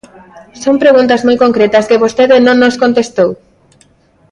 Son preguntas moi concretas que vostede non nos contestou.